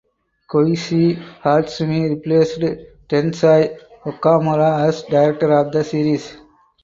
Koichi Hatsumi replaced Tensai Okamura as director of the series.